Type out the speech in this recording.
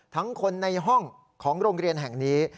ทั้งคนในห้องของโรงเรียนแห่งนี้